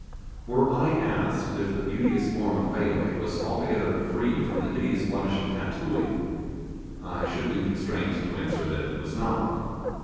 Were I asked if the beauteous form of Fayaway was altogether free from the hideous blemish of tattooing, I should be constrained to answer that it was not.